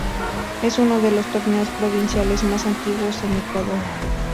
Es uno de los torneos provinciales más antiguos en Ecuador.